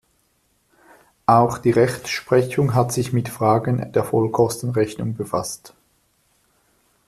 Auch die Rechtsprechung hat sich mit Fragen der Vollkostenrechnung befasst.